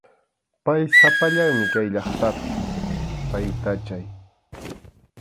Pay sapallanmi kay llaqtapi, taytachay.